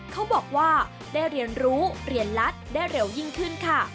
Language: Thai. เขาบอกว่าได้เรียนรู้เรียนรัฐได้เร็วยิ่งขึ้นค่ะ